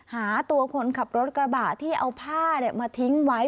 หาตัวคนขับรถกระบะที่เอาผ้ามาทิ้งไว้